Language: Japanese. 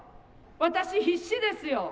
私、必死ですよ。